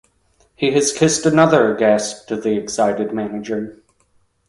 ‘He has kissed another,’ gasped the excited manager.